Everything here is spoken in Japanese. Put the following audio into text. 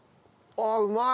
ああうまい。